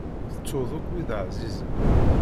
Tettuḍ akk wid ɛzizen.